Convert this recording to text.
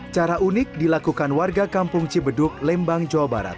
cara unik dilakukan warga kampung cibeduk lembang jawa barat